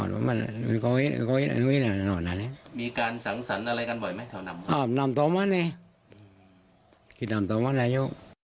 อ๋อนำตรงนั้นนำตรงนั้นแล้ว